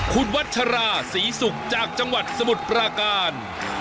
คุณวัชราศรีศุกร์จากจังหวัดสมุทรปราการ